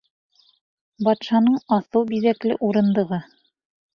Батшаның аҫыл биҙәкле урындығы.